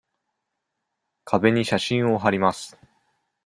壁に写真をはります。